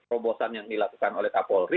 terobosan yang dilakukan oleh kapolri